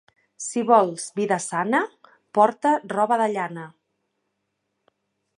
Si vols vida sana, porta roba de llana.